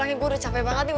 ini belum kurang lagi